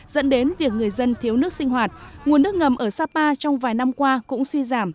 dẫn đến việc người dân thiếu nước sinh hoạt nguồn nước ngầm ở sapa trong vài năm qua cũng suy giảm